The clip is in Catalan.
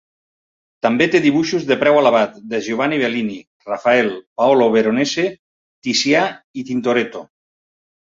També té dibuixos de preu elevat de Giovanni Bellini, Rafael, Paolo Veronese, Ticià i Tintoretto.